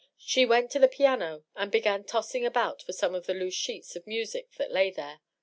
She went to the piano and bc^an tossing about some of the loose sheets of music that lay there.